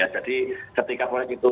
jadi ketika proyek itu